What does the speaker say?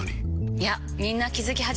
いやみんな気付き始めてます。